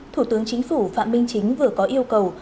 thủ tướng chính phủ phạm minh chính vừa có yêu cầu